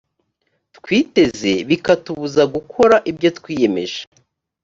twiteze bikatubuza gukora ibyo twiyemeje